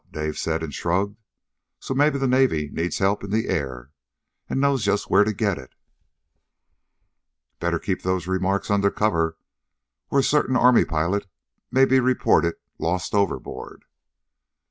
Dave said, and shrugged. "So maybe the Navy needs help in the air, and knows just where to get it." "Better keep those remarks under cover, or a certain Army pilot may be reported lost overboard!"